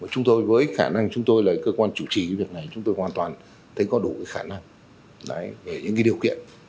chúng tôi với khả năng chúng tôi là cơ quan chủ trì cái việc này chúng tôi hoàn toàn thấy có đủ khả năng về những điều kiện